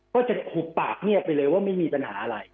ก็จะขุบปากเงียบไปเลยว่าไม่มีปัญหาอะไร